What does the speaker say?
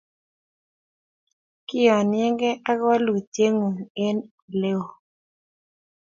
kiyanigei ak walutietngung' eng oleoo